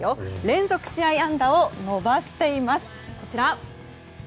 連続試合安打を伸ばしています。